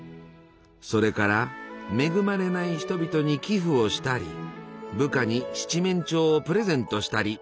それから恵まれない人々に寄付をしたり部下に七面鳥をプレゼントしたり。